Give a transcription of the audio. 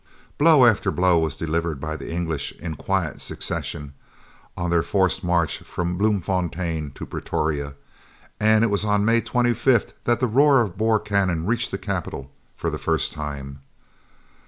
Blow after blow was delivered by the English in quiet succession on their forced march from Bloemfontein to Pretoria, and it was on May 25th that the roar of Boer cannon reached the capital for the first time.